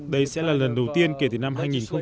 đây sẽ là lần đầu tiên kể từ năm hai nghìn một mươi